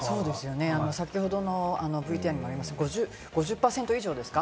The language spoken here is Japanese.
先ほどのＶＴＲにもありました、５０％以上ですか？